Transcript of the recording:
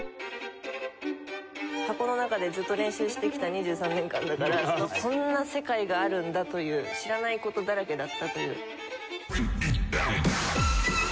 箱の中でずっと練習してきた２３年間だからこんな世界があるんだという知らない事だらけだったという。